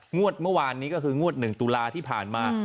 งวดเมื่อวานนี้ก็คืองวด๑ตุลาที่ผ่านมา